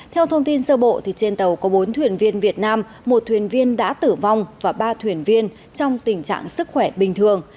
theo thông tin sơ bộ trên tàu có bốn thuyền viên việt nam một thuyền viên đã tử vong và ba thuyền viên trong tình trạng sức khỏe bình thường